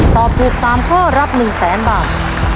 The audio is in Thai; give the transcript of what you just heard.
ตอบถูกสามข้อรับ๑๐๐๐๐๐บาท